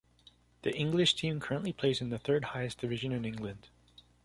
The English team currently plays in the third-highest division in England.